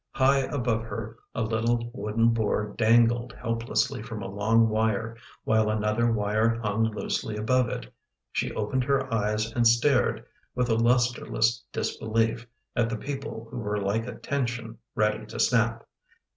High above her a little wooden board dangled helplessly from a long wire, while another wire hung loosely above it. She opened her eyes and stared, with a lustreless disbelief, at the people who were like a tension ready to snap.